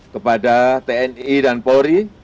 kepada tni dan polri